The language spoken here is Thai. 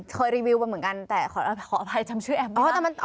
เคยรีวิวเหมือนกันแต่ขออภัยจำชื่อแอปไม่ได้